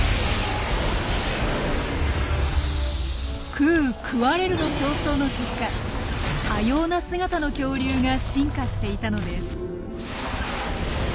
食う食われるの競争の結果多様な姿の恐竜が進化していたのです。